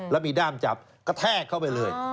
แล้วมีด้ามจับกระแทกเข้าไปเลย